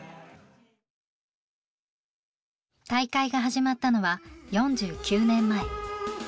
大会が始まったのは４９年前。